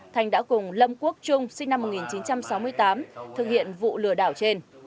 thành đã cùng lâm quốc trung sinh năm một nghìn chín trăm sáu mươi tám thực hiện vụ lừa đảo trên